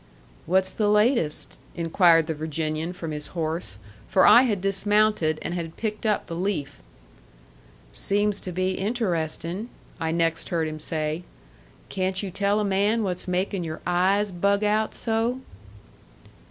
"What's the latest?" inquired the Virginian from his horse. For I had dismounted, and had picked up the leaf. "Seems to be interesting," I next heard him say. "Can't you tell a man what's making your eyes bug out so?"